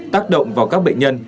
tác động vào các bệnh nhân